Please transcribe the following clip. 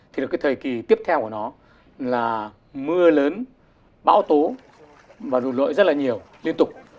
hai nghìn một mươi năm hai nghìn một mươi sáu thì là thời kỳ tiếp theo của nó là mưa lớn bão tố và rụt lội rất là nhiều liên tục